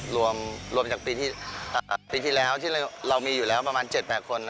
รวมจากปีที่แล้วที่เรามีอยู่แล้วประมาณ๗๘คน